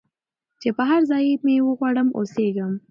چي په هرځای کي مي وغواړی او سېږم